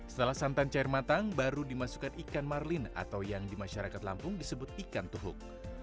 setelah santan cair matang baru dimasukkan ikan marlin atau yang di masyarakat lampung disebut ikan tuhuk